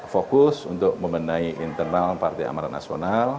fokus untuk membenahi internal partai amaran nasional